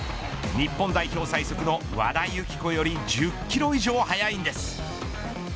日本代表最速の和田由紀子より１０キロ以上速いんです。